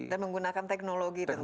dan menggunakan teknologi tentu saja